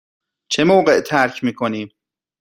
چه موقع ترک می کنیم؟